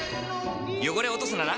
汚れを落とすなら？